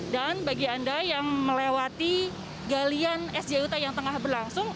dan bagi anda yang melewati galian sjut yang tengah berlangsung